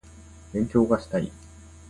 勉強がしたい